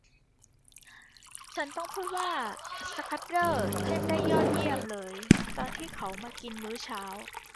ฉันต้องพูดว่าสคัดเดอร์เล่นได้ยอดเยี่ยมเลยตอนที่เขามากินมื้อเช้า